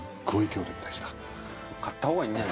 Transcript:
買った方がいいんじゃ。